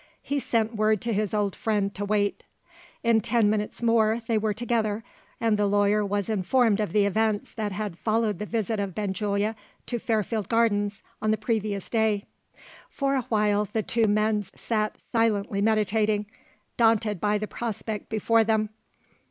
He sent word to his old friend to wait. In ten minutes more they were together, and the lawyer was informed of the events that had followed the visit of Benjulia to Fairfield Gardens, on the previous day. For a while, the two men sat silently meditating daunted by the prospect before them.